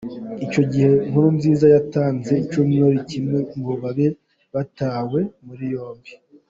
Icyo gihe Nkurunziza yatanze icyumweru kimwe ngo babe batawe muri yombi.